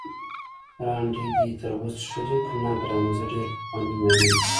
برانډي دې تراوسه څښلی؟ نه ګرانه، زه ډېره پخوانۍ مېرمن یم.